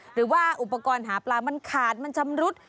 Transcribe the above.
หรือว่าอุปกรณ์หาปลามันขาดมันชำรุด